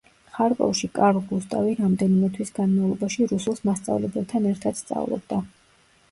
ხარკოვში კარლ გუსტავი რამდენიმე თვის განმავლობაში რუსულს მასწავლებელთან ერთად სწავლობდა.